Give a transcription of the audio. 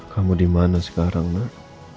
kamu dimana sekarang nak